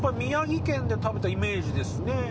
宮城県で食べたイメージですね。